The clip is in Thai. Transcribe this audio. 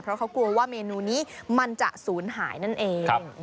เพราะเขากลัวว่าเมนูนี้มันจะศูนย์หายนั่นเอง